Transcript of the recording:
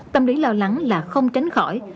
tâm lý lo lắng là không tránh khỏi